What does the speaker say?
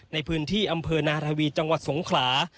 ในพื้นที่อำเภอนาธวีจังหวัดสงขลา